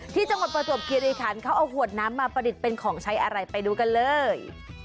จังหวัดประจวบคิริคันเขาเอาขวดน้ำมาประดิษฐ์เป็นของใช้อะไรไปดูกันเลย